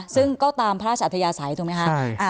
ซึ่งก็ตามพระราชอัธยาศัยถูกไหมคะ